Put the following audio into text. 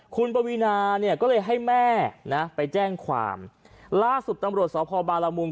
คุณปวีนาเนี่ยก็เลยให้แม่นะไปแจ้งความล่าสุดตำรวจสพบาลมุง